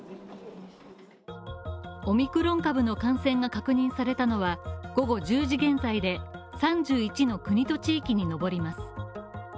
オミクロン株の感染が確認されたのは午後１０時現在で３１の国と地域に上ります。